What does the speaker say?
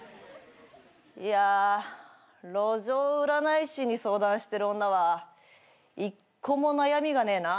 いや路上占い師に相談してる女は１個も悩みがねえな。